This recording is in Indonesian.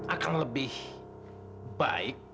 akan lebih baik